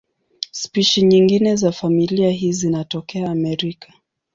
Spishi nyingine za familia hii zinatokea Amerika.